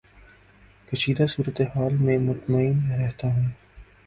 کشیدہ صورت حال میں مطمئن رہتا ہوں